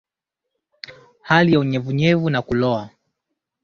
Hali ya unyevuvyevu na kuloa